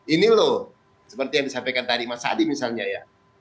ini loh seperti yang disampaikan tadi mas adi misalnya ya